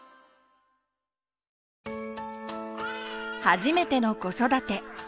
初めての子育て。